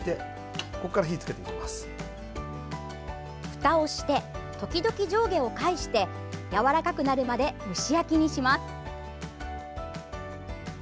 ふたをして時々、上下を返してやわらかくなるまで蒸し焼きにします。